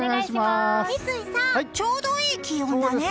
三井さん、ちょうどいい気温だね。